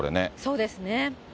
そうですね。